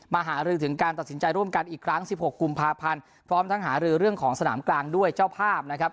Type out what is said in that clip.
หารือถึงการตัดสินใจร่วมกันอีกครั้งสิบหกกุมภาพันธ์พร้อมทั้งหารือเรื่องของสนามกลางด้วยเจ้าภาพนะครับ